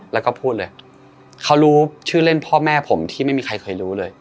แล้วก็พูดเลยเขารู้ชื่อเล่นพ่อแม่ผมที่ไม่มีใครเคยรู้เลย